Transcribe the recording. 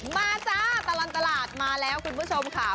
จ้าตลอดตลาดมาแล้วคุณผู้ชมค่ะ